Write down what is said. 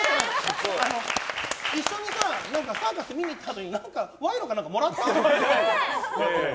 一緒にサーカス見に行った時に賄賂か何かもらった？